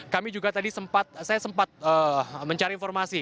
kami juga tadi saya sempat mencari informasi